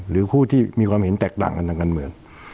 หรือคู่ที่มีความเห็นแตกต่างกันทางการเมือง